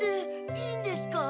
いいんですか？